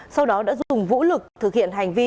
sau đó đã dùng vũ lực thực hiện hành vi